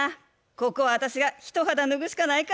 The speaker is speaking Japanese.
ここは私が一肌脱ぐしかないか。